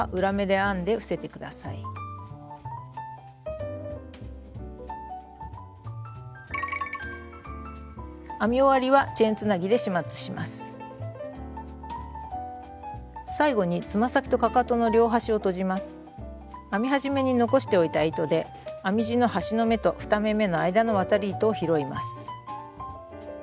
編み始めに残しておいた糸で編み地の端の目と２目めの間の渡り糸を拾います。